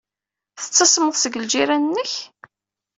Tettasmeḍ seg ljiran-nnek?